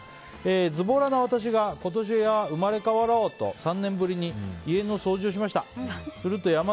ずぼらな私が今年は生まれ変わろうと３年ぶりに家の掃除をしました。